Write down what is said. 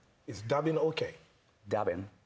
ダビン？